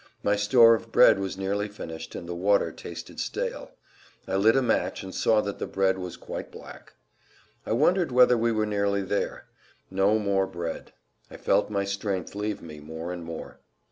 My store of bread was nearly finished, and the water tasted stale. I lit a match and saw that the bread was quite black. I wondered whether we were nearly there. No more bread. I felt my strength leave me more and more.